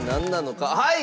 はい！